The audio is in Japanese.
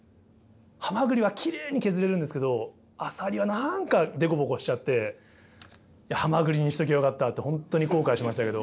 ハマグリはきれいに削れるんですけどアサリは何か凸凹しちゃってハマグリにしときゃよかったって本当に後悔しましたけど。